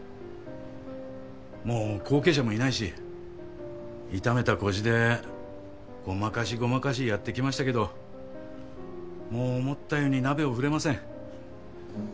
もう後継者もいないし痛めた腰でごまかしごまかしやってきましたけどもう思ったように鍋を振れません。